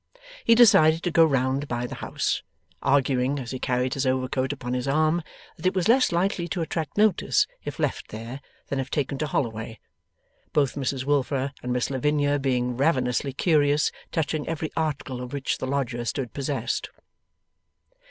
He decided to go round by the house, arguing, as he carried his overcoat upon his arm, that it was less likely to attract notice if left there, than if taken to Holloway: both Mrs Wilfer and Miss Lavinia being ravenously curious touching every article of which the lodger stood possessed.